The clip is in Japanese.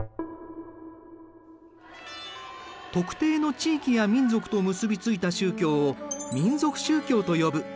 特定の地域や民族と結び付いた宗教を民族宗教と呼ぶ。